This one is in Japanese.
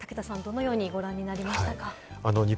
武田さん、どのようにご覧になりましたか？